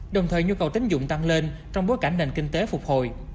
đồng thời nhu cầu tín dụng tăng lên trong bối cảnh nền kinh tế phục hồi